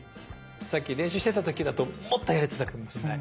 さっき練習してた時だともっとやれてたかもしれない。